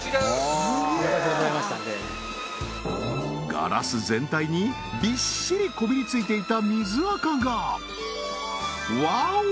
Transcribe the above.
ガラス全体にびっしりこびりついていた水アカがわお！